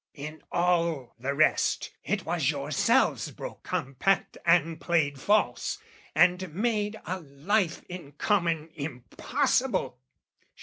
In all the rest, "It was yourselves broke compact and played false, "And made a life in common impossible.